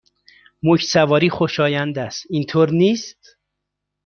موج سواری خوشایند است، اینطور نیست؟